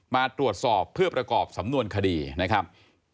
มาตรวจสอบเพื่อประกอบสำนวนคดีนะครับ